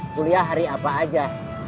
kuliah hari apa aja